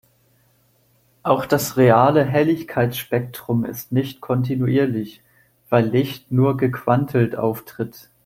Auch das reale Helligkeitsspektrum ist nicht kontinuierlich, weil Licht nur gequantelt auftritt.